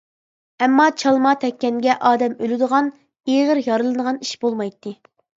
ئەمما چالما تەگكەنگە ئادەم ئۆلىدىغان، ئېغىر يارىلىنىدىغان ئىش بولمايتتى.